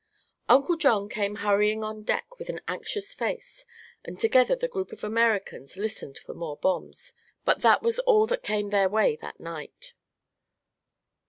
Uncle John came hurrying on deck with an anxious face and together the group of Americans listened for more bombs; but that was all that came their way that night.